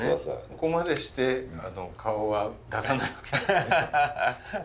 ここまでして顔は出さないわけですね。